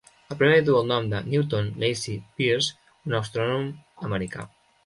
El premi duu el nom de Newton Lacy Pierce, un astrònom americà.